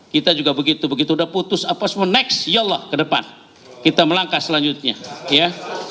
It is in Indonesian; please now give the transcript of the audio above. kita juga begitu begitu udah putus apa semua next ya allah ke depan kita melangkah selanjutnya ya